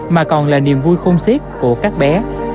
mà còn là niềm vui khôn siết của các bé